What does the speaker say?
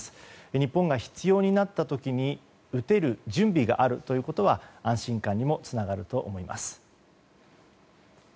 日本が必要になった時に打てる準備があることは安心感にもつながると思います。